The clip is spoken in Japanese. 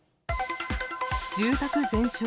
住宅全焼。